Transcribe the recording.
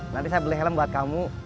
nanti saya beli helm buat kamu